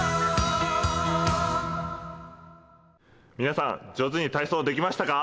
皆さん、上手に体操できましたか？